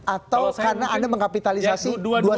atau karena anda mengkapitalisasi